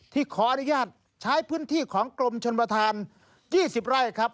ขออนุญาตใช้พื้นที่ของกรมชนประธาน๒๐ไร่ครับ